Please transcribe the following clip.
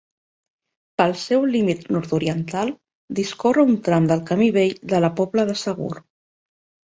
Pel seu límit nord-oriental discorre un tram del Camí vell de la Pobla de Segur.